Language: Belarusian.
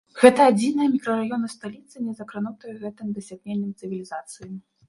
Гэта адзіныя мікрараёны сталіцы, не закранутыя гэтым дасягненнем цывілізацыі.